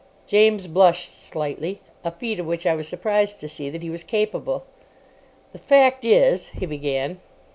James blushed slightly—a feat of which I was surprised to see that he was capable. "The fact is——" he began.